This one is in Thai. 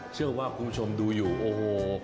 เชื่อว่าคุณผู้ชมดูอยู่โอ้โห